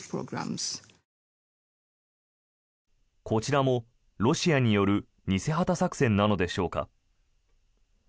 こちらもロシアによる偽旗作戦なのでしょうか。